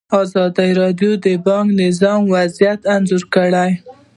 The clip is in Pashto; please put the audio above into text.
ازادي راډیو د بانکي نظام وضعیت انځور کړی.